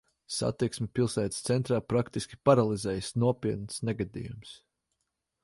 Satiksmi pilsētas centrā praktiski paralizējis nopietns negadījums.